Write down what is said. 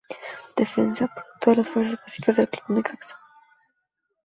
Defensa producto de las fuerzas básicas del Club Necaxa.